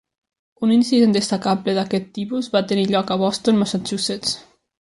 Un incident destacable d'aquest tipus va tenir lloc a Boston, Massachusetts.